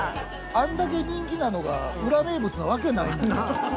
あんだけ人気なのが裏名物なわけないもんな。